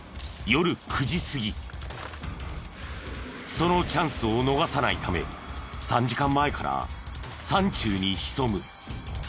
そのチャンスを逃さないため３時間前から山中に潜む。